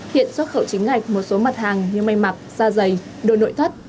hiện xuất khẩu chính ngạch một số mặt hàng như mây mặt da dày đồ nội thất